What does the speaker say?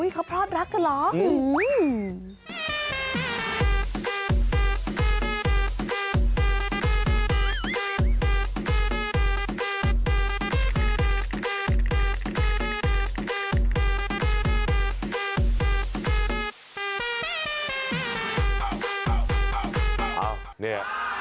เขาพลอดรักกันเหรอ